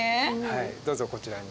どうぞこちらに。